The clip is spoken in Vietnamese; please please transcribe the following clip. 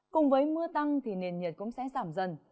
cùng với mưa tăng thì nền nhiệt cũng sẽ giảm dần